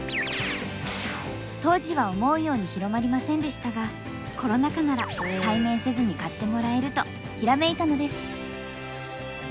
当時は思うように広まりませんでしたがコロナ禍なら「対面せずに買ってもらえる」とひらめいたのです。